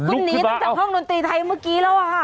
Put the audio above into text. คุณหนีตั้งแต่ห้องดนตรีไทยเมื่อกี้แล้วอะค่ะ